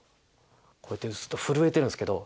こうやってずっと震えてるんですけど。